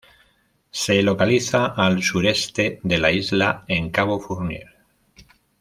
Se localiza al sureste de la isla en Cabo Fournier.